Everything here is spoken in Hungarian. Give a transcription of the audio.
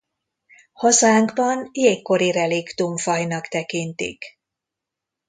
Hazánkban jégkori reliktum fajnak tekintik.